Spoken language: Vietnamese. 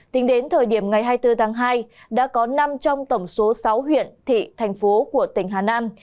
tính đến thời điểm ngày hai mươi bốn tháng hai đã có năm trong tổng số sáu huyện thị thành phố của tỉnh hà nam